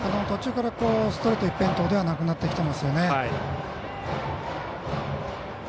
途中からストレート一辺倒ではなくなってきていますよね。